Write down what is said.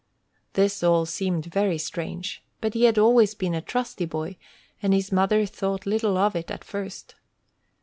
This all seemed very strange, but he had always been a trusty boy, and his mother thought little of it at first.